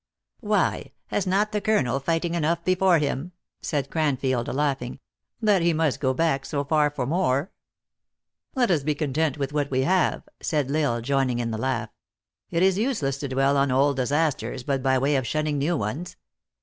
" Why, has not the colonel fighting enough before him," said Cranfield, laughing, " that he must go back so far for more ?"" Let us be content with what we have," said L Isle joining in the laugh. " It is useless to dwell on old disasters but by way of shunning new ones.